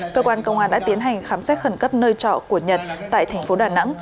cơ quan công an đã tiến hành khám xét khẩn cấp nơi trọ của nhật tại thành phố đà nẵng